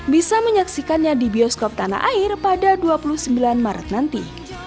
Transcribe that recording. bisa menyaksikannya di bioskop tanah air pada dua puluh sembilan maret nanti